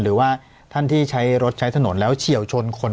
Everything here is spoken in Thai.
หรือว่าท่านที่ใช้รถใช้ถนนแล้วเฉียวชนคน